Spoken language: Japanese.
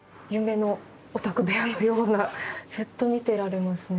ずっと見てられますね。